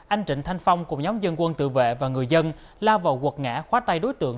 anh trịnh thanh phong cùng nhóm dân quân tự vệ và người dân lao vào quật ngã khóa tay đối tượng